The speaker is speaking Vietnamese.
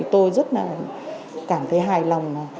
tôi rất là cảm thấy hài lòng